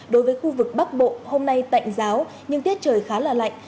đối với khu vực bắc bộ hôm nay tạnh giáo nhưng tiết trời khá là lạnh